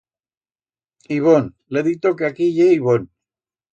Ibón, l'he dito que aquí ye ibón.